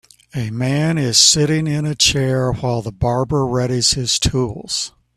A man is sitting in a chair while the barber readies his tools.